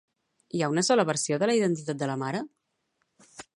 Hi ha una sola versió sobre la identitat de la mare?